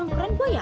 keren gua ya